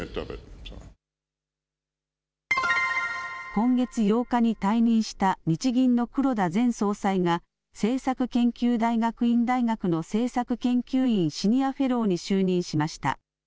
今月８日に退任した日銀の黒田前総裁が政策研究大学院大学の政策研究院シニアフェローに就任しました。